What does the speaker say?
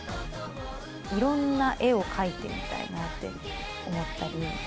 いろんな絵を描いてみたいなと思ったり。